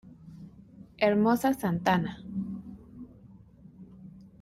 Hermosa Santana!